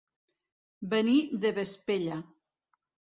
Venir de Vespella.